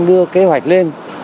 đưa kế hoạch lên